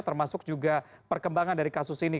termasuk juga perkembangan dari kasus ini